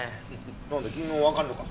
なんだ君もわかるのか？